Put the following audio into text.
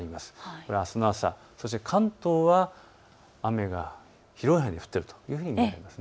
そしてあすの朝、関東は雨が広い範囲で降っているというふうに見られます。